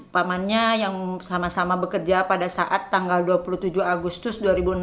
pamannya yang sama sama bekerja pada saat tanggal dua puluh tujuh agustus dua ribu enam belas